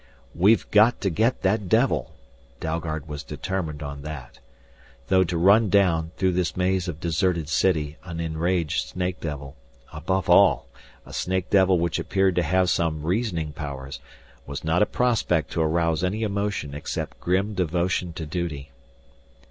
"We've got to get that devil!" Dalgard was determined on that. Though to run down, through this maze of deserted city, an enraged snake devil above all, a snake devil which appeared to have some reasoning powers was not a prospect to arouse any emotion except grim devotion to duty.